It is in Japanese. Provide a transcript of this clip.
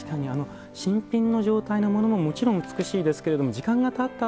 新品の状態のものももちろん美しいですけれども時間がたった